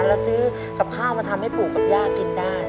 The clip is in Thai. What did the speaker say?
แล้วซื้อกับข้าวมาทำให้ปู่กับย่ากินได้